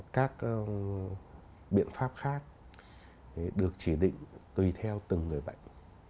các biện pháp khác được chỉ định tùy theo từng người bệnh